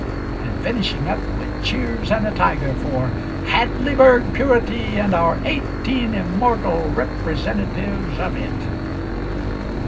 and finishing up with cheers and a tiger for "Hadleyburg purity and our eighteen immortal representatives of it."